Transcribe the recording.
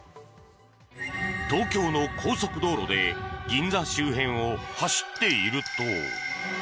東京の高速道路で銀座周辺を走っていると。